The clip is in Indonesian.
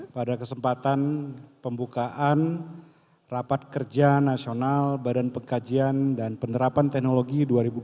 pada kesempatan pembukaan rapat kerja nasional badan pengkajian dan penerapan teknologi dua ribu dua puluh